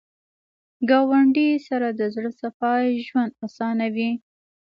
ګاونډي سره د زړه صفا ژوند اسانوي